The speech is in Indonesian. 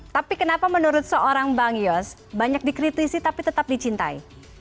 tapi kenapa menurut seorang bang yos banyak dikritisi tapi tetap dicintai